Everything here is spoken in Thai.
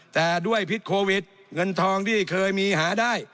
แต่ด้วยพิษโควิดเงินทองที่เคยมีหาได้